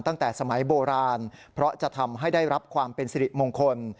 ตั้งแต่สมัยโบราณเพราะจะทำให้ได้รับความเป็นสิริมงคล